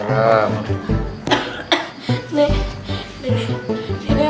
nenek suruh emak juga